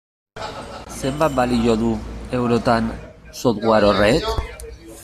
Zenbat balio du, eurotan, software horrek?